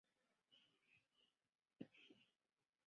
是一部由华特迪士尼制作的动画电影。